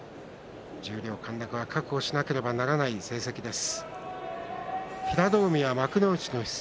十両陥落は覚悟しなければならない成績です。